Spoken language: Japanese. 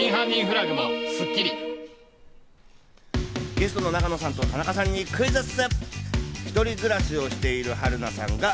ゲストの永野さんと田中さんにクイズッス。